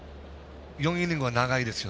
４イニングは長いですよ